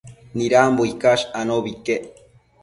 Nidambo icash anobi iquec